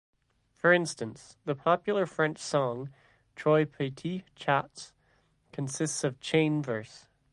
For instance, the popular French song "Trois petits chats" consists of chain verse.